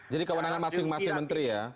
jadi kewenangan masing masing menteri ya